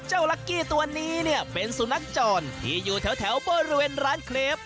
ลักกี้ตัวนี้เนี่ยเป็นสุนัขจรที่อยู่แถวบริเวณร้านเครป